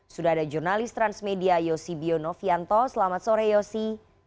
sudah ada jurnalis transmedia yosi bionovianto selamat sore yosi